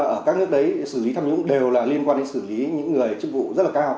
ở các nước đấy xử lý tham nhũng đều là liên quan đến xử lý những người chức vụ rất là cao